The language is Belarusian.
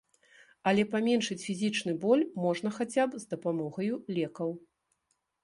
Але паменшыць фізічны боль можна хаця б з дапамогаю лекаў.